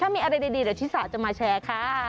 มีอะไรดีเดี๋ยวชิสาจะมาแชร์ค่ะ